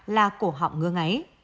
là cổ họng ngứa ngáy